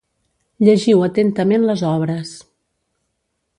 Llegiu atentament les obres.